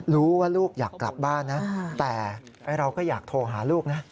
ลูกอยากกลับบ้านนะแต่เราก็อยากโทรหาลูกนะ